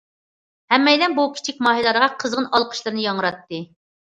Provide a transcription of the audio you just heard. ھەممەيلەن بۇ كىچىك ماھىرلارغا قىزغىن ئالقىشلىرىنى ياڭراتتى.